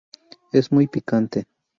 Es muy picante.